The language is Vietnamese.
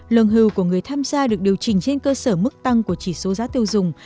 lương hưu của người tham gia được điều chỉnh trên cơ sở mức tăng của chỉ số giá tiêu dùng